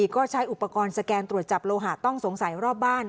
ก็ใช้อุปกรณ์สแกนตรวจจับโลหะต้องสงสัยรอบบ้าน